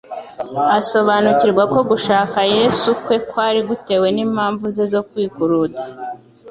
Asobanukirwa ko gushaka Yesu kwe kwari gutewe n'impamvu ze zo kwikuruda,